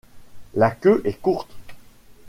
La queue est courte.